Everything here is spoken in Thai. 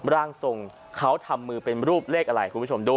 ร่างทรงเขาทำมือเป็นรูปเลขอะไรคุณผู้ชมดู